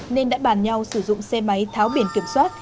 nên đã bàn nhau sử dụng xe máy tháo biển kiểm soát